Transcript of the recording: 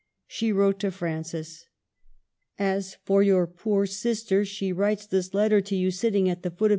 She wrote to Francis :— "As for your poor sister, she writes this letter to you sitting at the foot of M.